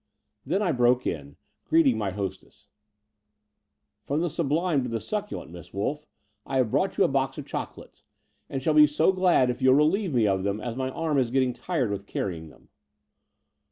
Then I broke in, greeting my hostess :'' From the sublime to the succulent, Miss Wolff ! I have brought you a box of chocolates, and shall > be so glad if you'll relieve me of them as my arm is. getting tired with carrying them."